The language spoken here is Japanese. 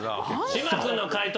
島君の解答